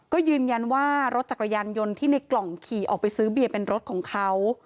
ก็ยืนยันว่ารถจักรยานยนต์ที่ในกล่องขี่ออกไปซื้อเบียร์เป็นรถของเขา